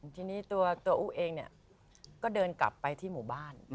ทีนี้ตัวอู้เองเนี่ยก็เดินกลับไปที่หมู่บ้าน